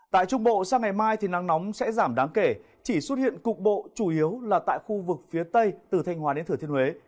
tại trung bộ sang ngày mai thì nắng nóng sẽ giảm đáng kể chỉ xuất hiện cục bộ chủ yếu là tại khu vực phía tây từ thanh hòa đến thừa thiên huế